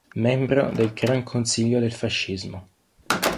Membro del Gran consiglio del fascismo.